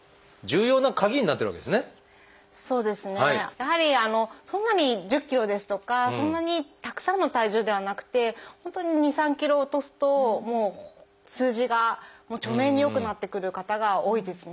やはりそんなに１０ｋｇですとかそんなにたくさんの体重ではなくて本当に２３ｋｇ落とすと数字が著明に良くなってくる方が多いですね。